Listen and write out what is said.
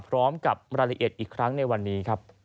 พร้อมกับรายละเอียดอีกครั้งในวันนี้ครับ